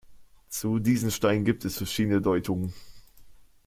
Zu diesem Stein gibt es verschiedene Deutungen.